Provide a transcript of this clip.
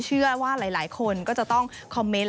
เชื่อว่าหลายคนก็จะต้องคอมเมนต์